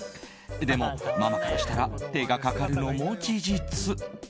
でも、ママからしたら手がかかるのも事実。